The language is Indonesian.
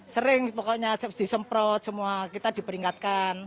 sering pokoknya disemprot semua kita diperingkatkan